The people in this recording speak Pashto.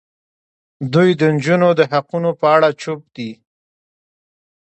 دوی د نجونو د حقونو په اړه چوپ دي.